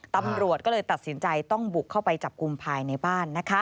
ตำรวจก็เลยตัดสินใจต้องบุกเข้าไปจับกลุ่มภายในบ้าน